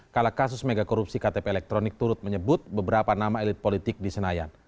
kalau kasus megakorupsi ktp elektronik turut menyebut beberapa nama elit politik di senayan